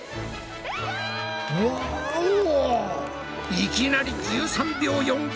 いきなり１３秒４５。